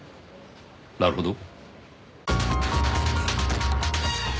なるほど。